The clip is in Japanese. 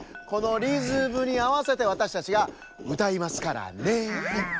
このリズムにあわせてわたしたちがうたいますからねえ。